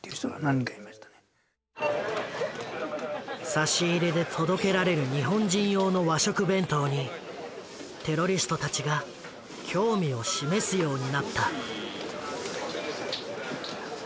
差し入れで届けられる日本人用の和食弁当にテロリストたちが興味を示すようになった。